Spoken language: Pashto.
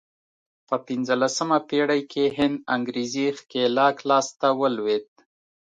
په پنځلسمه پېړۍ کې هند انګرېزي ښکېلاک لاس ته ولوېد.